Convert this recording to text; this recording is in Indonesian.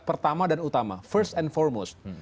pertama dan utama first and formus